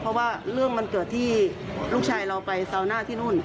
เพราะว่าเรื่องมันเกิดที่ลูกชายเราไปซาวหน้าที่นู่น